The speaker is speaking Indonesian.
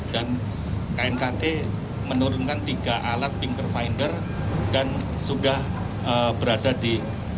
dan knkt menurunkan tiga alat pink finder dan sudah berada di